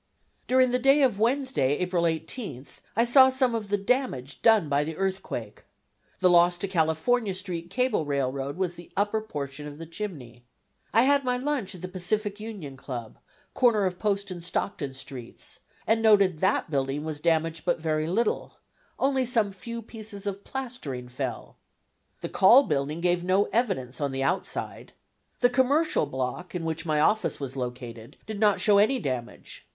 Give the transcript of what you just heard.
During the day of Wednesday, April 18th, I saw some of the damage done by the earthquake. The loss to the California Street cable railroad was the upper portion of the chimney. I had my lunch at the Pacific Union Club, corner of Post and Stockton Streets, and noted that building was damaged but very little; only some few pieces of plastering fell. The Call Building gave no evidence on the outside. The Commercial Block, in which my office was located, did not show any damage.